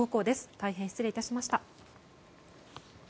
大変失礼致しました。